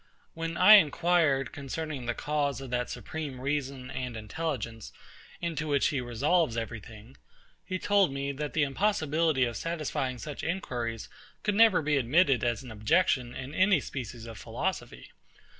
When I inquired concerning the cause of that supreme reason and intelligence into which he resolves every thing; he told me, that the impossibility of satisfying such inquiries could never be admitted as an objection in any species of philosophy.